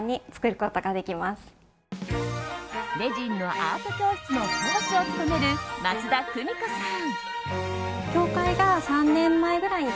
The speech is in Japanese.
レジンのアート教室の講師を務める松田久美子さん。